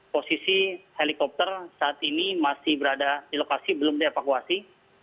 posisi helikopter saat ini masih berada di lokasi belum dievakuasi